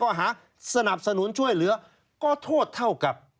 หาสนับสนุนช่วยเหลือก็โทษเท่ากับ